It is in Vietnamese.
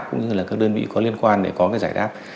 cũng như là các đơn vị có liên quan để có cái giải đáp